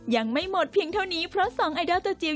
ยังไม่หมดเพียงเท่านี้เพราะสองไอดอลตัวจริง